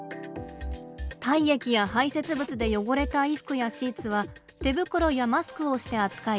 体液や排せつ物で汚れた衣服やシーツは手袋やマスクをして扱い